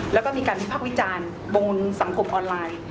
และมีการพิภาควิจารณ์แบงกุญสังคมออนไลน์